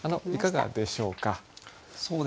いかがでしょうか？